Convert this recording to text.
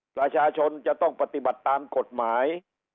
ประชาชนจะต้องปฏิบัติตามกฎหมาย